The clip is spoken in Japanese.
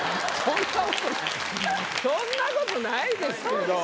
そんなことないですけど。